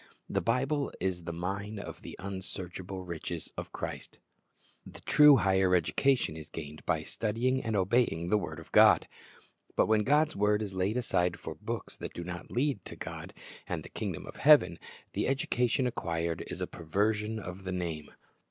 The Bible is the mine of the unsearchable riches of Christ. The true higher education is gained by studying and obeying the word of God. But when God's word is laid aside for books that do not lead to God and the kingdom of heaven, the education acquired is a perversion of the name.